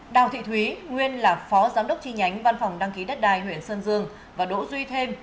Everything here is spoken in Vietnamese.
đào thị thúy nguyên là phó giám đốc chi nhánh văn phòng đăng ký đất đai huyện sơn dương và đỗ duy thêm